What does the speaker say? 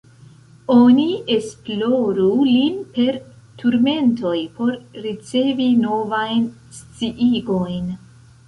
Oni esploru lin per turmentoj, por ricevi novajn sciigojn.